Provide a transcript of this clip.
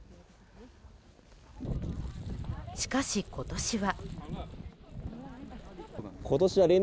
しかし今年は。